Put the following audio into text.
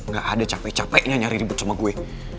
gak ada capek capeknya nyari ribut sama gue